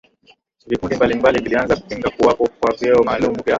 vikundi mbalimbali vilianza kupinga kuwapo kwa vyeo maalumu vya